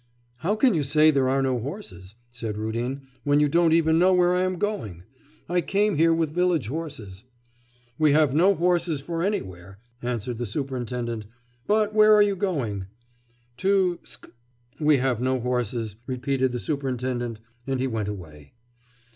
'How can you say there are no horses,' said Rudin, 'when you don't even know where I am going? I came here with village horses.' 'We have no horses for anywhere,' answered the superintendent. 'But where are you going?' 'To Sk .' 'We have no horses,' repeated the superintendent, and he went away.